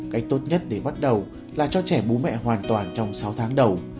cách tốt nhất để bắt đầu là cho trẻ bố mẹ hoàn toàn trong sáu tháng đầu